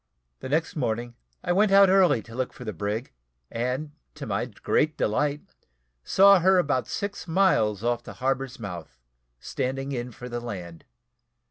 The next morning, I went out early to look for the brig, and, to my great delight, saw her about six miles off the harbour's mouth, standing in for the land.